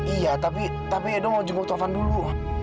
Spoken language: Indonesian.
iya tapi tapi ya dong mau jenguk tovan dulu